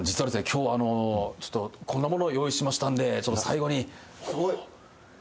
今日こんなものを用意しましたんで最後に。